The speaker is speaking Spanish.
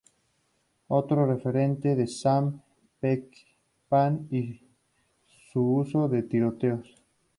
Otro referente es Sam Peckinpah y su uso de tiroteos.